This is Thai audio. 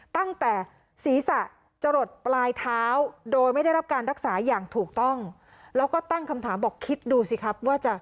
ตั้งแต่ศีรษะจะหลดปลายเท้าโดยไม่ได้รับการรักษาอย่างถูกต้องแล้วก็ตั้งคำถามบอกคิดดูสิครับว่าจะ